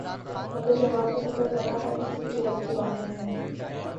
مگر جہاز میں سفر کرنا ہر کسی کے بس کی بات نہیں ہے ۔